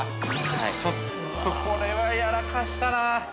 ちょっと、これはやらかしたな。